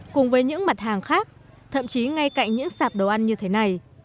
cùng với những mặt hàng khác thậm chí ngay cạnh những sạp đồ ăn như thế này